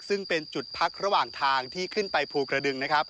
ซึ่งเป็นจุดพักระหว่างทางที่ขึ้นไปภูกระดึงนะครับ